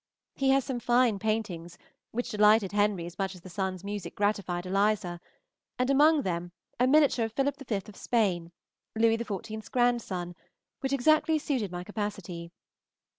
He has some fine paintings, which delighted Henry as much as the son's music gratified Eliza; and among them a miniature of Philip V. of Spain, Louis XIV.'s grandson, which exactly suited my capacity.